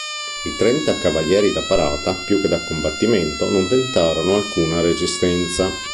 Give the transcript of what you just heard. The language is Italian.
I trenta cavalieri "da parata", più che da combattimento, non tentarono alcuna resistenza.